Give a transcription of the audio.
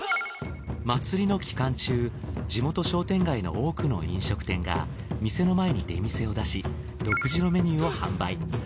祭りの期間中地元商店街の多くの飲食店が店の前に出店を出し独自のメニューを販売。